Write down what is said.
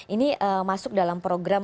ini masuk dalam program